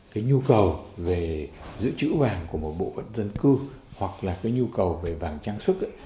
cái nhu cầu về giữ chữ vàng của một bộ vận dân cư hoặc là cái nhu cầu về vàng trang sức